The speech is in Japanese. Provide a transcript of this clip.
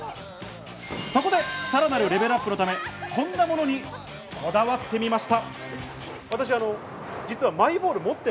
そこで更なるレベルアップのため、こんなものにこだわってみました。